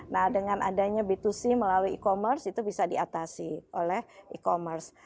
nah dengan adanya b dua c melalui e commerce itu bisa diatasi oleh e commerce